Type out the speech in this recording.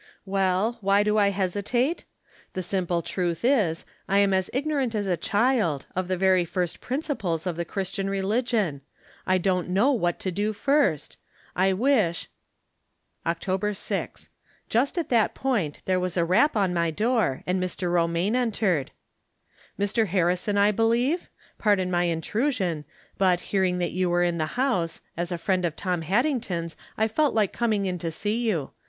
" Well, why do I hesitate? The simple truth is, I am as ignorant as a child, of the very first principles of the Christian religion. I don't know what to do first. I wish October 6. — Just at that point there was a rap at my door, and Mr. Romaine entered. " Mr. Harrison, I believe ? Pardon my intru sion, but, hearing that you were in the house, as a friend of Tom Haddington's I felt like coming in to see you.